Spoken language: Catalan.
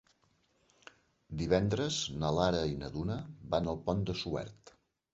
Divendres na Lara i na Duna van al Pont de Suert.